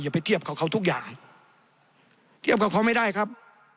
ไปเทียบกับเขาทุกอย่างเทียบกับเขาไม่ได้ครับ